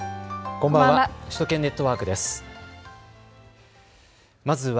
こんばんは。